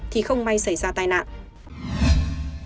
thì không may xảy ra tai nạn